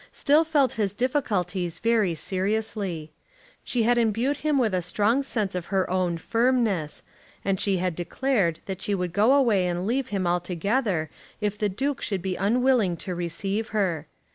still felt his difficulties very seriously. She had imbued him with a strong sense of her own firmness, and she had declared that she would go away and leave him altogether if the Duke should be unwilling to receive her.